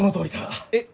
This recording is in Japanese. えっ？